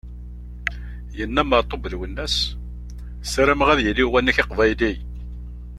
Yenna Meɛtub Lwennas: "sarameɣ ad yili uwanek aqbayli!"